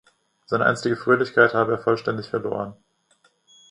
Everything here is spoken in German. Seine einstige Fröhlichkeit habe er vollständig verloren.